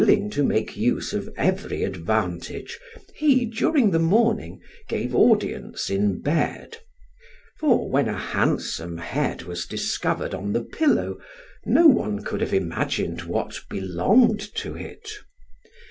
Willing to make use of every advantage he, during the morning, gave audience in bed, for when a handsome head was discovered on the pillow no one could have imagined what belonged to it.